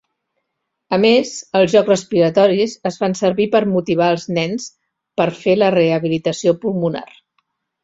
A més, els jocs respiratoris es fan servir per motivar els nens per fer la rehabilitació pulmonar.